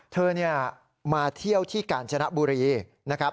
เธอมาเที่ยวที่กาญจนบุรีนะครับ